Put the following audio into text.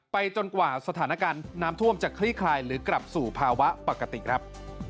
จนกว่าสถานการณ์น้ำท่วมจะคลี่คลายหรือกลับสู่ภาวะปกติครับ